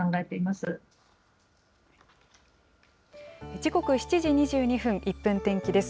時刻７時２２分、１分天気です。